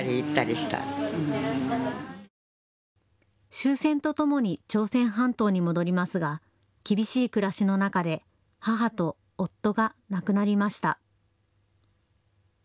終戦とともに朝鮮半島に戻りますが厳しい暮らしの中で母と夫が亡くなりました。